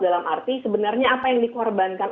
dalam arti sebenarnya apa yang dikorbankan